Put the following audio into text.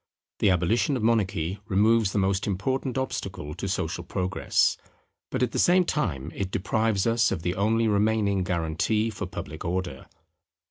The abolition of monarchy removes the most important obstacle to social Progress: but at the same time it deprives us of the only remaining guarantee for public Order.